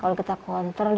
kalau kita kontrol